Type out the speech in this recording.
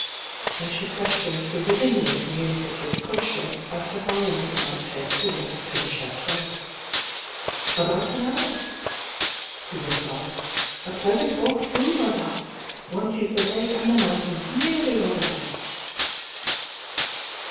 And she questioned the willingly communicative cocker as to how long it might take to walk to the Chateau? "About an hour," he replied. "A pleasant walk, too, Madame! One sees the lake and mountains nearly all the way."